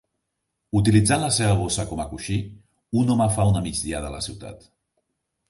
Utilitzant la seva bossa com a coixí, un home fa una migdiada a la ciutat.